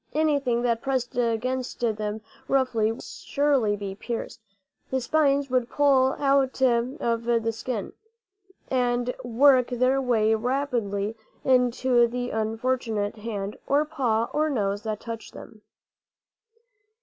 Anything that pressed against them roughly would surely be pierced; the spines would pull out of the skin, and work their way rapidly into the unfortunate hand or paw or nose that touched them.